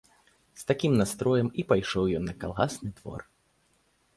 З такім настроем і пайшоў ён на калгасны двор.